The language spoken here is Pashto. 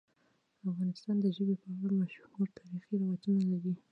افغانستان د ژبې په اړه مشهور تاریخی روایتونه لري.